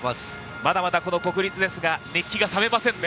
まだまだこの国立ですが、熱気が冷めませんね。